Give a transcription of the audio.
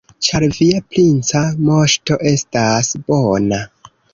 Ĉar via princa moŝto estas bona.